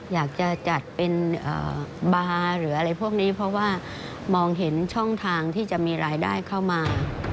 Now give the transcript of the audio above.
อยากจะจัดเป็นบาร์หรืออะไรพวกนี้เพราะว่ามองเห็นช่องทางที่จะมีรายได้เข้ามา